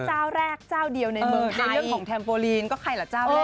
เจ้าแรกเจ้าเดียวในเมืองไทย